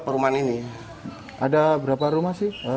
pertama dikerahkan di pintu air